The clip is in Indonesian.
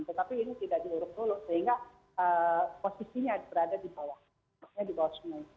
tetapi ini tidak diuruk dulu sehingga posisinya berada di bawah maksudnya di bawah sungai